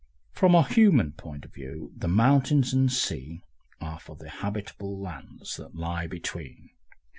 From our human point of view the mountains and sea are for the habitable lands that lie between.